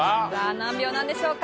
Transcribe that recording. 何秒なんでしょうか？